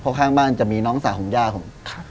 เพราะข้างบ้านจะมีน้องสาวของย่าผม